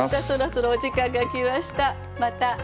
そろそろお時間が来ました。